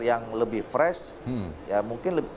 yang lebih fresh